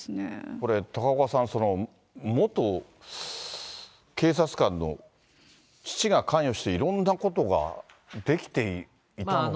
これ、高岡さん、元警察官の父が関与していろんなことができていたのか。